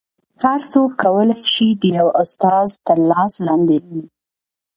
هر څوک کولی شي د یو استاد تر لاس لاندې وي